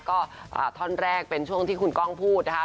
ก็ท่อนแรกเป็นช่วงที่คุณก้องพูดนะคะ